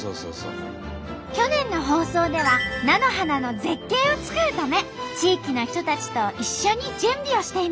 去年の放送では菜の花の絶景をつくるため地域の人たちと一緒に準備をしていました。